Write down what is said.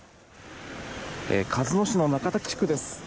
鹿角市の中滝地区です。